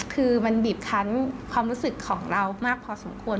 คือมันบีบคันความรู้สึกของเรามากพอสมควร